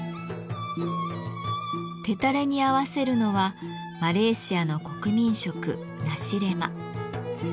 テタレに合わせるのはマレーシアの国民食「ナシレマ」。